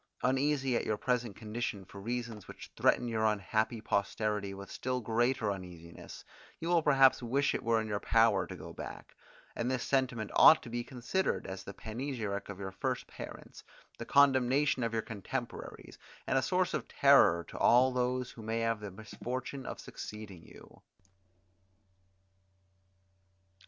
Uneasy at your present condition for reasons which threaten your unhappy posterity with still greater uneasiness, you will perhaps wish it were in your power to go back; and this sentiment ought to be considered, as the panegyric of your first parents, the condemnation of your contemporaries, and a source of terror to all those who may have the misfortune of succeeding you.